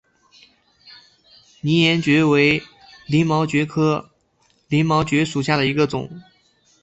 拟岩蕨为鳞毛蕨科鳞毛蕨属下的一个种。